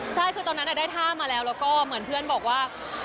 ใช่คือตอนนั้นได้ท่ามาแล้วแล้วก็เหมือนเพื่อนบอกว่า